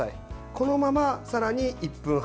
このまま、さらに１分半。